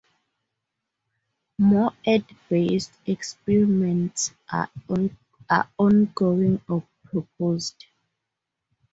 More Earth-based experiments are ongoing or proposed.